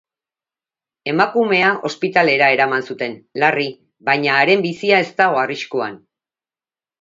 Emakumea ospitalera eraman zuten, larri, baina haren bizia ez dago arriskuan.